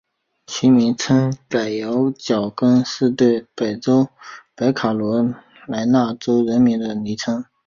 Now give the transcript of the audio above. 其名称柏油脚跟是对北卡罗来纳州人民的昵称。